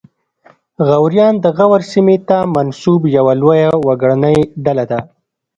غوریان د غور سیمې ته منسوب یوه لویه وګړنۍ ډله ده